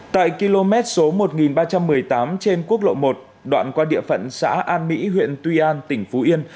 tại km số một ba trăm một mươi tám trên quốc lộ một đoạn qua địa phận xã an mỹ huyện tuy an tỉnh phú yên